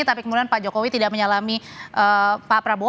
tapi kemudian pak jokowi tidak menyalami pak prabowo